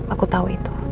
aku tau itu